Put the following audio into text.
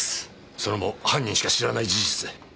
それも犯人しか知らない事実で。